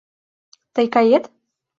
— Тый кает?